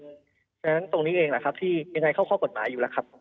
เพราะฉะนั้นตรงนี้เองแหละครับที่ยังไงเข้าข้อกฎหมายอยู่แล้วครับ